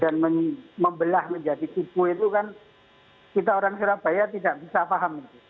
dan membelah menjadi kubu itu kan kita orang surabaya tidak bisa paham itu